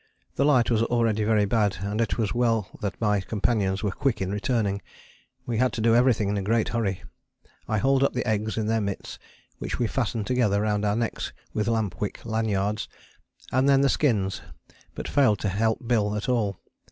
The light was already very bad and it was well that my companions were quick in returning: we had to do everything in a great hurry. I hauled up the eggs in their mitts (which we fastened together round our necks with lampwick lanyards) and then the skins, but failed to help Bill at all.